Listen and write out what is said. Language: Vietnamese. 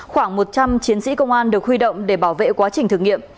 khoảng một trăm linh chiến sĩ công an được huy động để bảo vệ quá trình thử nghiệm